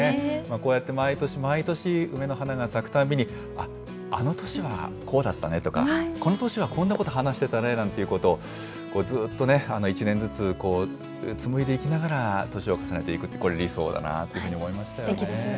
こうやって毎年毎年、梅の花が咲くたんびに、あっ、あの年はこうだったねとか、この年はこんなこと話してたねなんてことを、ずっとね、１年ずつ紡いでいきながら年を重ねていくって、これ、理想だなっていうふすてきですね。